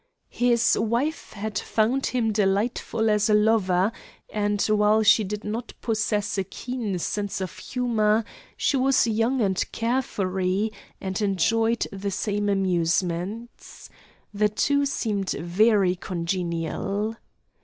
His wife had found him delightful as a lover; and, while she did not possess a keen sense of humour, she was young and care free, and enjoyed the same amusements. The two seemed very congenial.